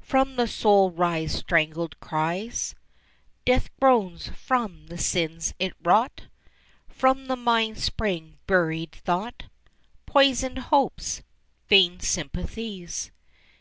From the soul rise strangled cries, Death groans from the sins it wrought; From the mind spring buried thought, Poisoned hopes, vain sympathies.